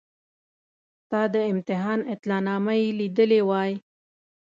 ستا د امتحان اطلاع نامه یې لیدلې وای.